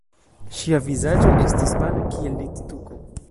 Ŝia vizaĝo estis pala kiel littuko.